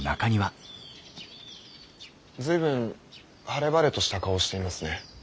随分晴れ晴れとした顔をしていますね。